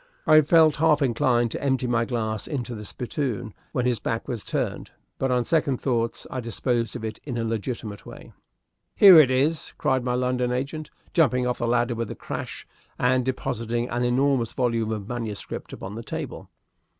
I felt half inclined to empty my glass into the spittoon when his back was turned; but on second thoughts I disposed of it in a legitimate way. "Here it is!" cried my London agent, jumping off the ladder with a crash, and depositing an enormous volume of manuscript upon the table.